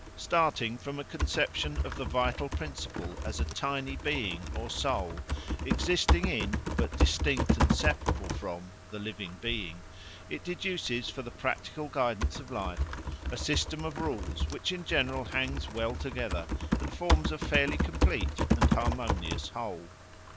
Starting from a conception of the vital principle as a tiny being or soul existing in, but distinct and separable from, the living being, it deduces for the practical guidance of life a system of rules which in general hangs well together and forms a fairly complete and harmonious whole.